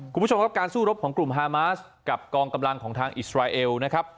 คุณผู้ชมครับการสู้รบของกลุ่มฮามาสกับกองกำลังของทางอิสราเอลนะครับ